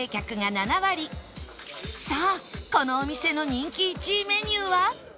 さあこのお店の人気１位メニューは？